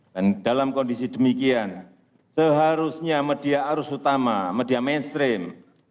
dan dalam kondisi demikian seharusnya media arus utama media mainstream